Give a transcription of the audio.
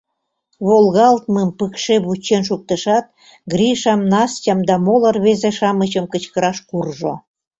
Волгалтмым пыкше вучен шуктышат, Гришам, Настям да моло рвезе-шамычым кычкыраш куржо.